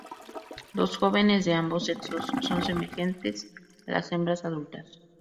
Los jóvenes de ambos sexos son semejantes a las hembras adultas.